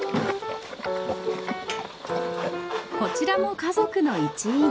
こちらも家族の一員。